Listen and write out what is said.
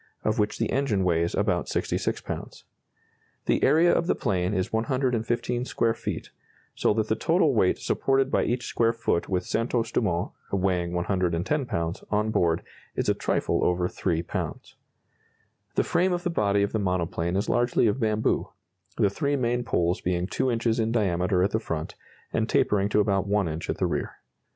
of which the engine weighs about 66 lbs. The area of the plane is 115 square feet, so that the total weight supported by each square foot with Santos Dumont (weighing 110 lbs.) on board is a trifle over 3 lbs. The frame of the body of the monoplane is largely of bamboo, the three main poles being 2 inches in diameter at the front, and tapering to about 1 inch at the rear.